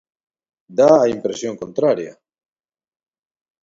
Dá a impresión contraria.